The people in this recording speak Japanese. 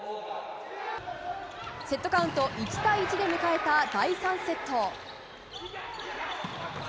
セットカウント１対１で迎えた第３セット。